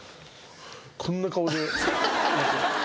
こんな顔で。